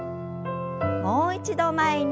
もう一度前に。